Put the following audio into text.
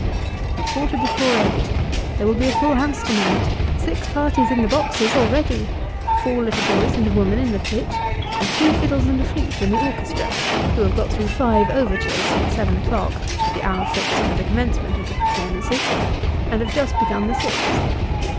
A quarter before eight there will be a full house to night six parties in the boxes, already ; four little boys and a woman in the pit ; and two fiddles and a flute in the orchestra, who have got through five overtures since seven o'clock (the hour fixed for the commence ment of the performances), and have just begun the sixth.